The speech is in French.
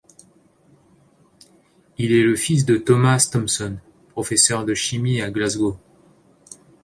Il est le fils de Thomas Thomson, professeur de chimie à Glasgow.